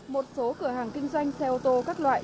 một số cửa hàng kinh doanh xe ô tô các loại